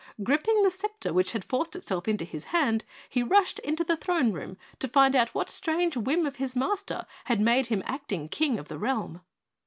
Gripping the scepter which had forced itself into his hand, he rushed into the throne room to find out what strange whim of his Master had made him acting King of the Realm.